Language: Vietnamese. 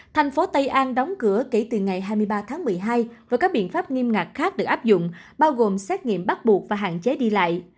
thành phố tây an đóng cửa kể từ ngày hai mươi ba tháng một mươi hai và các biện pháp nghiêm ngạc khác được áp dụng bao gồm xét nghiệm bắt buộc và hạn chế đi lại